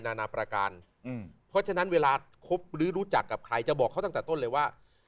นานาประการเพราะฉะนั้นเวลาคบหรือรู้จักกับใครจะบอกเขาตั้งแต่ต้นเลยว่า